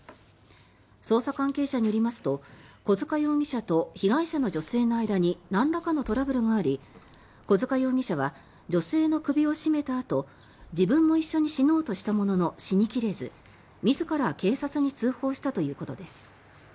捜査関係者によりますと小塚容疑者と被害者の女性の間になんらかのトラブルがあり小塚容疑者は女性の首を絞めたあと自分も一緒に死のうとしたものの死に切れず自ら警察に通報したということです。